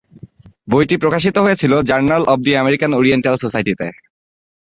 বইটি প্রকাশিত হয়েছিল journal of the American Oriental সোসাইটিতে।